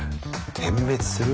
点滅する？